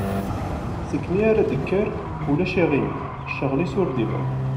Segmi ara d-tekker, ulac iɣimi, ccɣel-is ur d-iban.